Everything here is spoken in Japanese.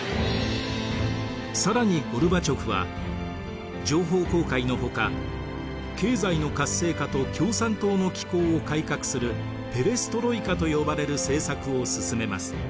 更にゴルバチョフは情報公開のほか経済の活性化と共産党の機構を改革するペレストロイカと呼ばれる政策を進めます。